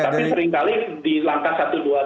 tapi seringkali di langkah satu dua